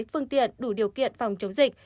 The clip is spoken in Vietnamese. phương tiện đủ điều kiện phòng chống dịch